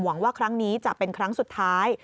หวังว่าครั้งนี้จะเป็นครั้งสุดท้าย